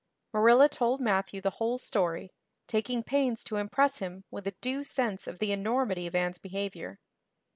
Marilla told Matthew the whole story, taking pains to impress him with a due sense of the enormity of Anne's behavior.